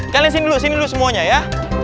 kalian sini dulu sini dulu semuanya ya